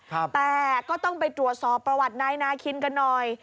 แต่ก็ต้องไปตรวจสอบประวัตินายนาคินกันหน่อย